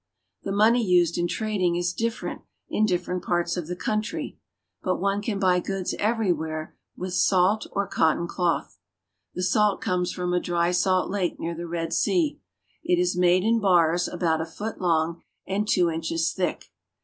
The money used in trading is different in different parts of the country ; but one can buy goods every where with salt or cotton cloth. The salt comes from a dry salt lake near the Red Sea. It is made in bars about a foot long and two inches thick.